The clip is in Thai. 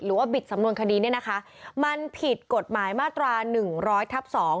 บิดสำนวนคดีเนี่ยนะคะมันผิดกฎหมายมาตราหนึ่งร้อยทับสอง